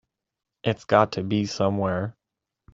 It's got to be somewhere.